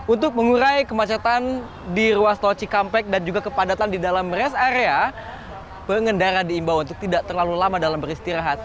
untuk mengurai kemacetan di ruas tol cikampek dan juga kepadatan di dalam rest area pengendara diimbau untuk tidak terlalu lama dalam beristirahat